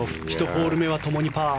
１ホール目はともにパー。